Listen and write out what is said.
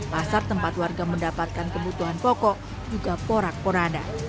pasar tempat warga mendapatkan kebutuhan pokok juga porak poranda